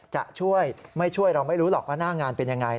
จะช่วยไม่ช่วยเราไม่รู้หรอกว่าหน้างานเป็นยังไง